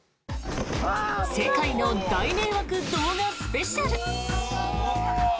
世界の大迷惑動画スペシャル。